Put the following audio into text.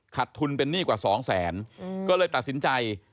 ทุนเป็นหนี้กว่าสองแสนก็เลยตัดสินใจ